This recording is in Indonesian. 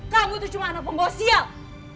kamu itu cuma anak pembawa sial